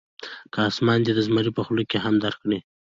که اسمان دې د زمري په خوله کې هم درکړي.